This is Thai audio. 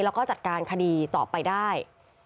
แล้วก็จัดการคดีต่อไปได้